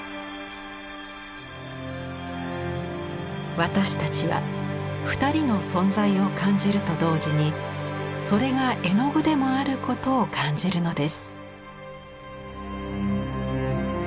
私たちは２人の存在を感じると同時にそれが絵の具でもあることを感じるのです。